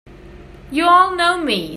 You all know me!